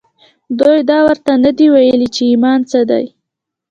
دوی دا ورته نه دي ویلي چې ایمان څه دی